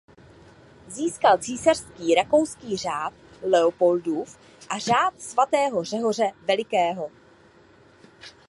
Získal Císařský rakouský řád Leopoldův a Řád svatého Řehoře Velikého.